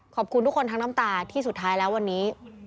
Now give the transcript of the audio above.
ขอบคุณทุกคนทั้งน้ำตาที่สุดท้ายแล้ววันนี้